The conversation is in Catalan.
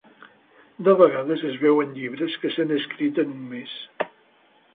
De vegades es veuen llibres que s'han escrit en un mes.